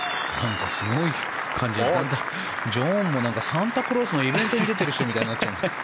すごい感じでジョンもサンタクロースのイベントに出ている人みたいになっちゃってる。